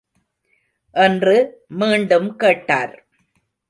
என்று மீண்டும் கேட்டார்.